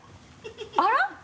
あら？